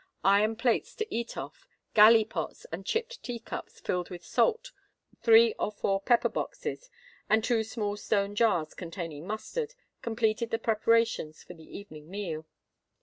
Iron plates to eat off, galley pots and chipped tea cups filled with salt, three or four pepper boxes, and two small stone jars containing mustard, completed the preparations for the evening meal.